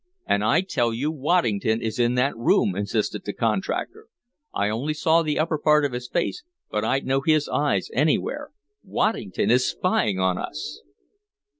"And I tell you Waddington is in that room!" insisted the contractor. "I only saw the upper part of his face, but I'd know his eyes anywhere. Waddington is spying on us!"